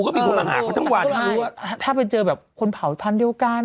ก็มีคนมาหาเขาทั้งวันรู้ว่าถ้าไปเจอแบบคนเผาพันธุ์เดียวกัน